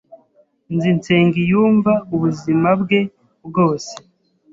Nzi Nsengiyumva ubuzima bwe bwose.